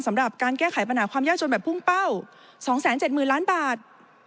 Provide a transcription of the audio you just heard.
สำหรับการแก้ไขปัญหาความยากจนแบบพุ่งเป้า๒๗๐๐๐ล้านบาท